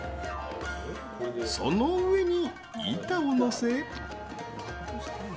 その上に板をのせ。